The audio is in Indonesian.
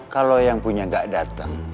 kalau yang punya gak datang